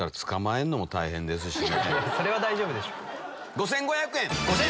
それは大丈夫でしょ。